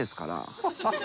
ハハハ